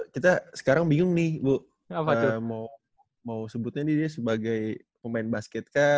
kita sekarang bingung nih bu mau sebutnya nih dia sebagai pemain basket kah